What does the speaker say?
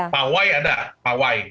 pawai ada pawai